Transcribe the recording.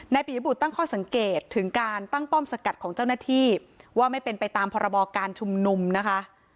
ปิยบุตรตั้งข้อสังเกตถึงการตั้งป้อมสกัดของเจ้าหน้าที่ว่าไม่เป็นไปตามพรบการชุมนุมนะคะ